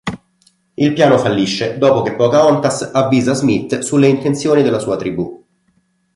Il piano fallisce dopo che Pocahontas avvisa Smith sulle intenzioni della sua tribù.